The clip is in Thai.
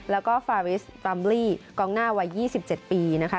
แล้วก็ฟาริสตรัมลี่กองหน้าวัย๒๗ปีนะคะ